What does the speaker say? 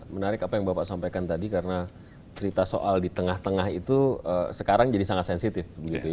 menarik apa yang bapak sampaikan tadi karena cerita soal di tengah tengah itu sekarang jadi sangat sensitif